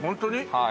はい。